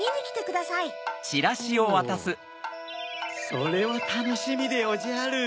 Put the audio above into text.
それはたのしみでおじゃる。